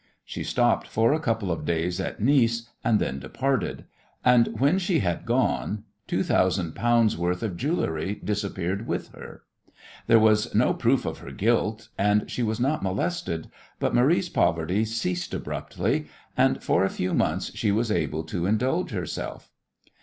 She stopped for a couple of days at Nice and then departed; and when she had gone two thousand pounds' worth of jewellery disappeared with her. There was no proof of her guilt, and she was not molested, but Marie's poverty ceased abruptly, and for a few months she was able to indulge herself.